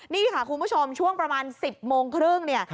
นี่ค่ะคุณผู้ชมช่วงประมาณ๑๐โมงครึ่งเนี่ย